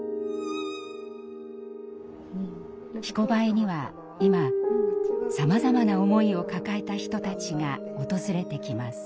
「ひこばえ」には今さまざまな思いを抱えた人たちが訪れてきます。